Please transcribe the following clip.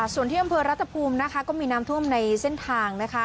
ส่วนที่อำเภอรัฐภูมินะคะก็มีน้ำท่วมในเส้นทางนะคะ